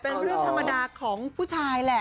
เป็นเรื่องธรรมดาของผู้ชายแหละ